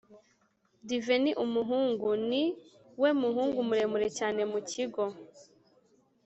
Divin ni umuhungu niwe muhungu muremure cyane mukigo